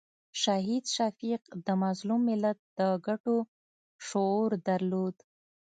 شهید شفیق د مظلوم ملت د ګټو شعور درلود.